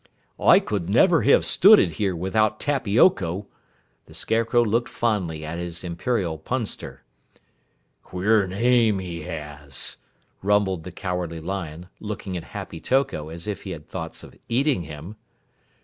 "I could never have stood it here without Tappy Oko!" The Scarecrow looked fondly at his Imperial Punster. "Queer name he has," rumbled the Cowardly Lion, looking at Happy Toko as if he had thoughts of eating him.